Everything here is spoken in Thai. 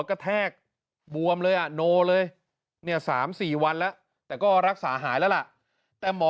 กระแทกบวมเลยอ่ะโนเลยเนี่ย๓๔วันแล้วแต่ก็รักษาหายแล้วล่ะแต่หมอ